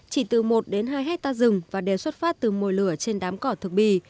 chỉ từ một hai hectare rừng và đều xuất phát từ mồi lửa trên đám cỏ thực bì